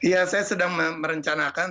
ya saya sedang merencanakan